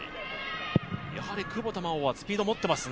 やはり久保田真生はスピード持ってますね。